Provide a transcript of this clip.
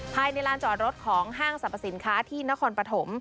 ภายในลานจอดรถของห้างสรรพสินค้าที่นครปฐม